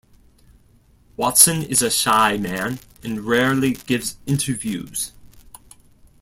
Watson is a shy man and rarely gives interviews.